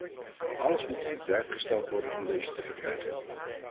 Alles moet in het werk gesteld worden om deze te verkrijgen.